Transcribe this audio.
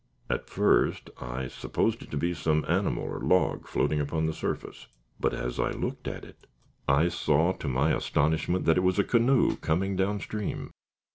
At first I supposed it to be some animal or log floating upon the surface; but as I looked at it, I saw to my astonishment that it was a canoe coming down stream.